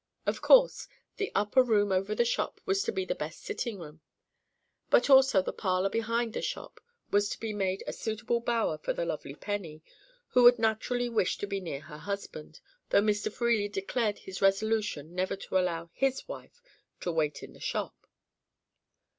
Of course, the upper room over the shop was to be the best sitting room; but also the parlour behind the shop was to be made a suitable bower for the lovely Penny, who would naturally wish to be near her husband, though Mr. Freely declared his resolution never to allow his wife to wait in the shop.